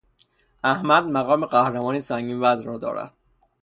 احمد مقام قهرمانی سنگین وزن را دارد.